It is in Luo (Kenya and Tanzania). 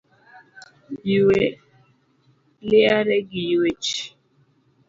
Yue liare gi yuech